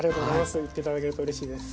そう言って頂けるとうれしいです。